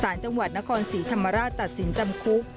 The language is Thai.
สารจังหวัดนครศรีธรรมราชตัดสินจำคุก